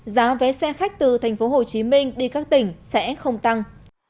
giá vé xe khách từ tp hcm đi các tỉnh sẽ không tăng